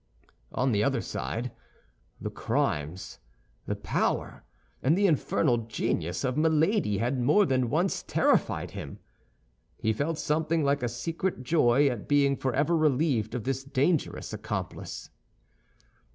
On the other side, the crimes, the power, and the infernal genius of Milady had more than once terrified him. He felt something like a secret joy at being forever relieved of this dangerous accomplice.